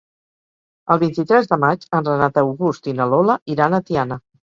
El vint-i-tres de maig en Renat August i na Lola iran a Tiana.